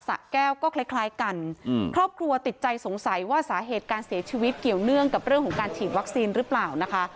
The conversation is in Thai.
สะแก้วก็คล้ายคล้ายกันครอบครัวติดใจสงสัยว่าสาเหตุการเสียชีวิตเกี่ยวเนื่องกับเรื่องของการฉีดวัคซีนหรือเปล่านะคะ